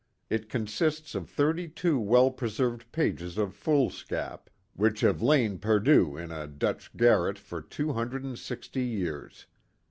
It consists of thirty two well preserved pages of foolscap, which have lain perdu in a Dutch garret for two hundred and sixty years.